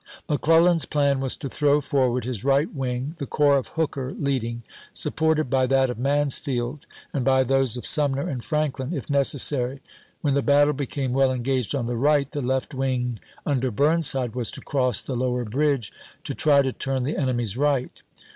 McClellan's plan was to throw forward his right wing, the corps of Hooker leading, supported by that of Mansfield, and by those of Sumner and Franklin if necessary; when the battle became well engaged on the right, the left wing, under Burnside, was to cross the lower bridge to 140 ABEAHAM LINCOLN CH.iP.vir. try to tm'n the enemy's right.